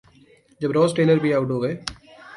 جب Ross Taylor بھی out ہو گئے۔